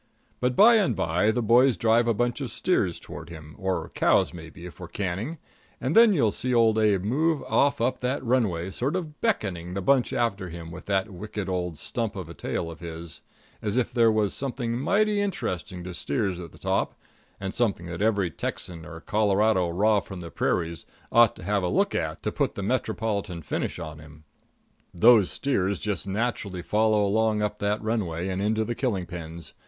But by and by the boys drive a bunch of steers toward him, or cows maybe, if we're canning, and then you'll see Old Abe move off up that runway, sort of beckoning the bunch after him with that wicked old stump of a tail of his, as if there was something mighty interesting to steers at the top, and something that every Texan and Colorado, raw from the prairies, ought to have a look at to put a metropolitan finish on him. Those steers just naturally follow along on up that runway and into the killing pens.